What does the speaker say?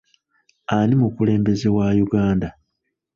Ani mukulembeze wa Uganda?